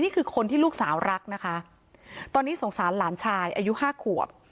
คนที่ลูกสาวรักนะคะตอนนี้สงสารหลานชายอายุห้าขวบ